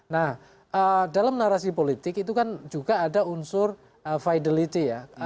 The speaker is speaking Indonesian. nah dalam narasi politik itu kan juga ada unsur vitality ya